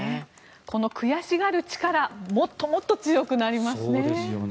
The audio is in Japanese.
この悔しがる力もっともっと強くなりますね。